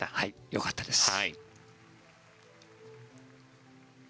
よかったです。